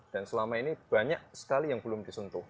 dan selama ini banyak sekali yang belum disentuh